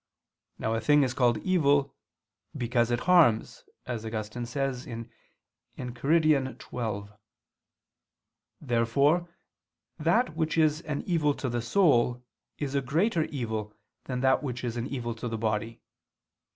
Now a thing is called evil "because it harms," as Augustine says (Enchiridion xii). Therefore that which is an evil to the soul is a greater evil than that which is an evil to the body.